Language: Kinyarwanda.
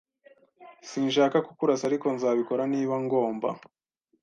Sinshaka kukurasa, ariko nzabikora niba ngomba.